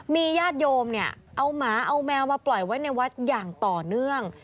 มีญาติโยมเนี่ยเอาหมาเอาแมวมาปล่อยไว้ในวัดอย่างต่อเนื่อง